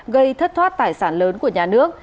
gây thất thoát tài sản lớn của nhà nước